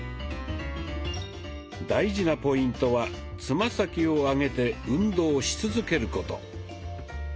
大事なポイントはつま先を上げて運動し続けること。